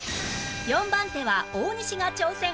４番手は大西が挑戦